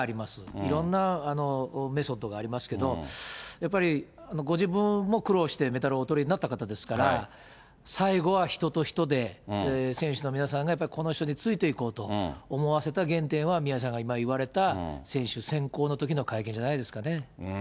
いろんなメソッドがありますけれども、やっぱりご自分も苦労してメダルをおとりになった方ですから、最後は人と人で、選手の皆さんが、やっぱりこの人についていこうと思わせた原点は、宮根さんが今言われた、選手選考のときの会見じゃないですかね。